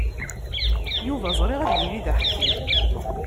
Yuba ẓriɣ ad yili d aḥeqqi.